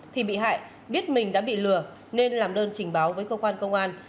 thì bị hại biết mình đã bị lừa nên làm đơn trình báo với cơ quan công an